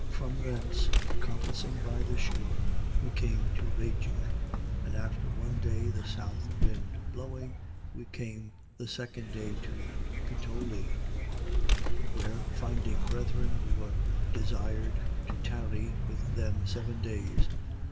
28:13. From thence, compassing by the shore, we came to Rhegium: and after one day, the south wind blowing, we came the second day to Puteoli: 28:14. Where, finding brethren, we were desired to tarry with them seven days.